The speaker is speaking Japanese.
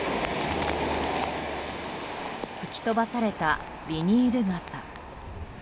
吹き飛ばされたビニール傘。